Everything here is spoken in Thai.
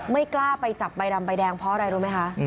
ไม่กล้าไปจับใบดำใบแดงเพราะอะไรรู้ไหมคะ